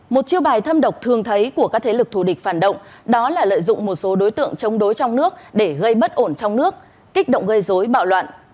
một chiêu bài thâm độc thường thấy của các thế lực thù địch phản động đó là lợi dụng một số đối tượng chống đối trong nước để gây bất ổn trong nước kích động gây dối bạo loạn